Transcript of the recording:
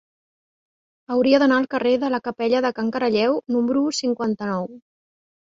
Hauria d'anar al carrer de la Capella de Can Caralleu número cinquanta-nou.